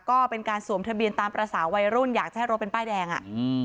ก็เป็นการสวมทะเบียนตามภาษาวัยรุ่นอยากจะให้รถเป็นป้ายแดงอ่ะอืม